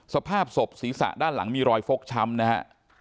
สภาพศพศีรษะด้านหลังมีรอยฟกช้ำนะฮะ